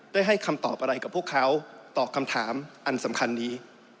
ได้ให้คำตอบอะไรกับพวกเขาตอบคำถามอันสำคัญนี้